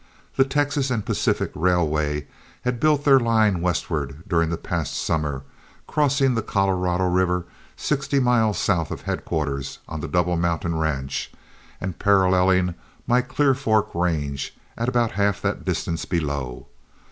The Texas and Pacific railway had built their line westward during the past summer, crossing the Colorado River sixty miles south of headquarters on the Double Mountain ranch and paralleling my Clear Fork range about half that distance below.